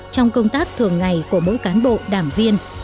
trong công tác thường ngày của mỗi cán bộ đảng viên